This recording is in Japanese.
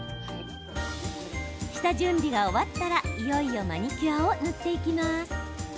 下準備が終わったらいよいよマニキュアを塗っていきます。